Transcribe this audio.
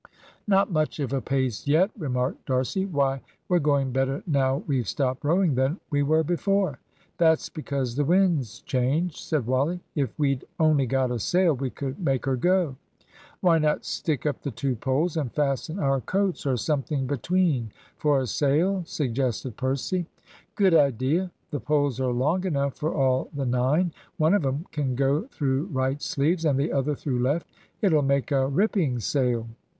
"Not much of a pace yet," remarked D'Arcy. "Why, we're going better now we've stopped rowing than we were before." "That's because the wind's changed," said Wally. "If we'd only got a sail we could make her go." "Why not stick up the two poles, and fasten our coats or something between for a sail!" suggested Percy. "Good idea! the poles are long enough for all the nine. One of 'em can go through right sleeves, and the other through left. It'll make a ripping sail."